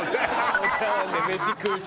お茶碗で飯食うし。